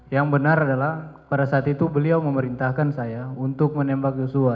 yang benar adalah pada saat itu beliau memerintahkan saya untuk menembak yosua